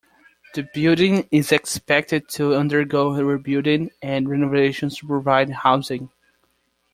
The building is expected to undergo rebuilding and renovations to provide housing.